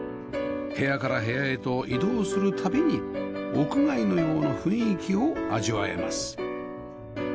部屋から部屋へと移動する度に屋外のような雰囲気を味わえます